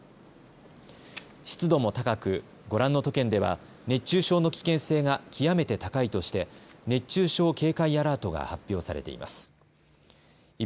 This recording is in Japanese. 湿度も高く、ご覧の都県では熱中症の危険性が極めて高いとして熱中症警戒アラートが発表されています。